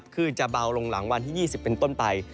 ขึ้นจะเบาลงหลังวันที่๒๐เป็นต้นไป